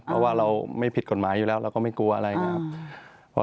เพราะว่าเราไม่ผิดกฎหมายอยู่แล้วเราก็ไม่กลัวอะไรอย่างนี้ครับ